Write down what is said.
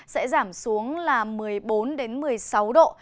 sẽ giảm xuống là một mươi bốn một mươi sáu độ